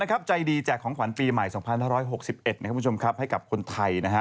รัฐบาลใจดีแจกของขวัญปีใหม่ยนตรี๒๖๖๑นะครับคุณผู้ชมนี้ให้กับคนไทยนะฮะ